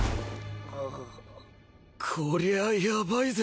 こりゃあヤバいぜ。